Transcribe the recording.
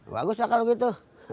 bagus lah kalo gitu